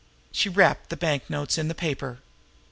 She wrapped the banknotes in the paper.